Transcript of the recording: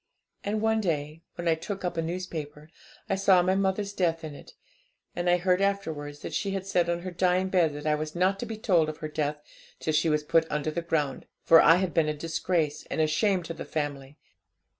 And one day, when I took up a newspaper, I saw my mother's death in it; and I heard afterwards that she said on her dying bed that I was not to be told of her death till she was put under the ground, for I had been a disgrace and a shame to the family.